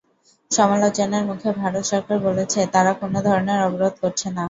সমালোচনার মুখে ভারত সরকার বলেছে, তারা কোনো ধরনের অবরোধ করছে না।